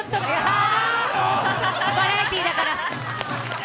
あ、バラエティーだから。